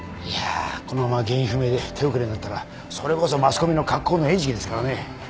いやこのまま原因不明で手遅れになったらそれこそマスコミの格好の餌食ですからね。